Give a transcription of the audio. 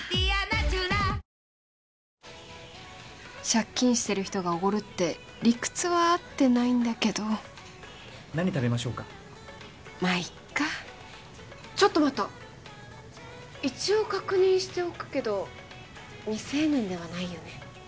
借金してる人がおごるって理屈は合ってないんだけど何食べましょうかまあいっかちょっと待った一応確認しておくけど未成年ではないよね？